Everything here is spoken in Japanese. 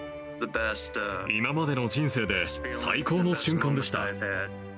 今までの人生で最高の瞬間でした。